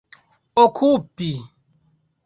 okupi